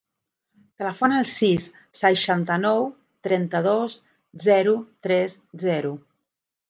Telefona al sis, seixanta-nou, trenta-dos, zero, tres, zero.